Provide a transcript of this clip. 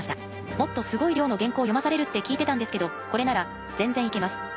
もっとすごい量の原稿を読まされるって聞いてたんですけどこれなら全然いけます。